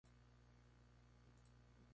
Se casó con el fotógrafo Humberto Rivas.